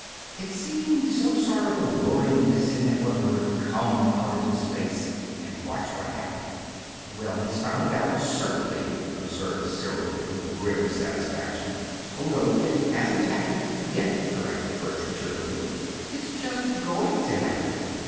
"It seemed so sort of alluring to send that one word 'Come' out into space, and watch what happened." "Well, he's found out, certainly," observed Cyril, with grim satisfaction. "Oh, no; it hasn't happened yet," corrected Bertram, cheerfully. "It's just going to happen.